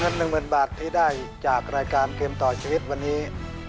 ๑๐๐๐บาทที่ได้จากรายการเกมต่อชีวิตวันนี้